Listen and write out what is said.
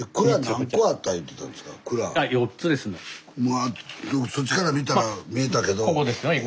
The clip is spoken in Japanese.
やっぱりそっちから見たら見えたけど。